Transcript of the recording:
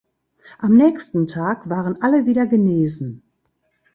Am nächsten Tag waren alle wieder genesen.